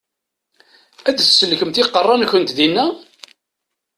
Ad tsellkemt iqeṛṛa-nkent dinna?